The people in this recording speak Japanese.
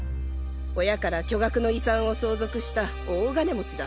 親から巨額の遺産を相続した大金持ちだ。